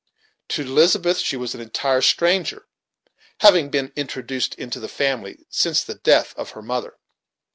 To Elizabeth she was an entire stranger, having been introduced into the family since the death of her mother.